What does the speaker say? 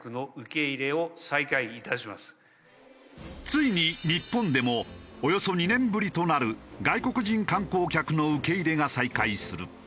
ついに日本でもおよそ２年ぶりとなる外国人観光客の受け入れが再開する。